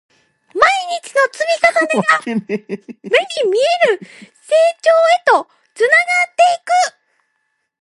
毎日の積み重ねが、目に見える成長へとつながっていく